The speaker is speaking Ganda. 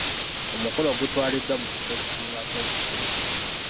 Omukolo gutwaliddwa mu kifo ekisingako obugazi.